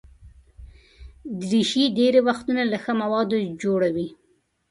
دریشي ډېری وختونه له ښه موادو جوړه وي.